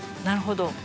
なるほど。